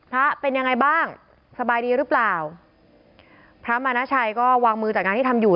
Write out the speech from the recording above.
พระเป็นยังไงบ้างสบายดีหรือเปล่าพระมานาชัยก็วางมือจัดงานที่ทำอยู่